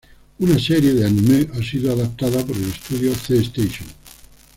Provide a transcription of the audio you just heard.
Una serie de Anime ha sido adaptada por el estudio C-Station.